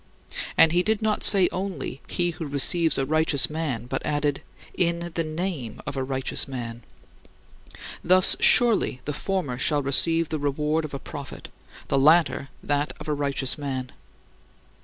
And he did not say only, "He who receives a righteous man," but added, "In the name of a righteous man." Thus, surely, the former shall receive the reward of a prophet; the latter, that of a righteous man.